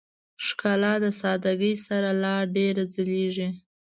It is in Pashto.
ښکلا د سادهګۍ سره لا ډېره ځلېږي.